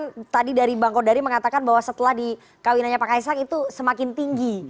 saya tadi dari bangkodari mengatakan bahwa setelah di kawinannya pak kaeseng itu semakin tinggi